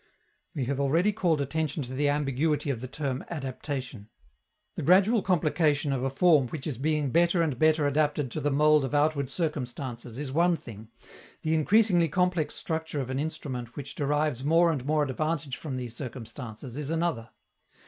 We have already called attention to the ambiguity of the term "adaptation." The gradual complication of a form which is being better and better adapted to the mold of outward circumstances is one thing, the increasingly complex structure of an instrument which derives more and more advantage from these circumstances is another.